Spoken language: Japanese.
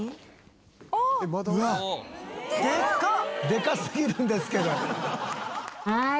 でかすぎるんですけど。